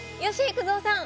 幾三さん？